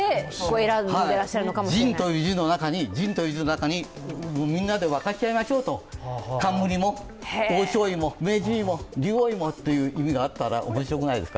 「仁」という字の中に、みんなで分かち合いましょうと冠も、王将位も名人位も竜王位もという意味があったら面白くないですか？